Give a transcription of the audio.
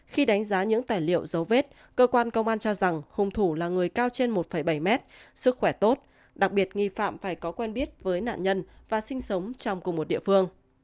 khi đánh giá những tài liệu dấu vết cơ quan công an cho rằng hùng thủ là người cao trên một bảy mét sức khỏe tốt đặc biệt nghi phạm phải có quen biết với nạn nhân và sinh sống trong cùng một địa phương